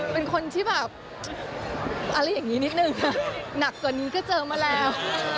เป็นคนที่แบบอะไรอย่างนี้นิดนึงหนักกว่านี้ก็เจอมาแล้ว